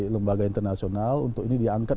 lembaga internasional untuk ini diangkat